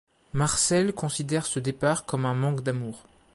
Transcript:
Marcelle considère ce départ comme un manque d'amour.